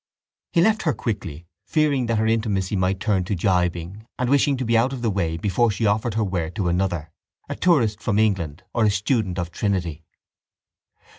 He left her quickly, fearing that her intimacy might turn to gibing and wishing to be out of the way before she offered her ware to another, a tourist from England or a student of Trinity.